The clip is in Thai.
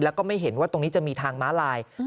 แล้วก็ไม่เห็นว่าตรงนี้จะมีทางม้าลาย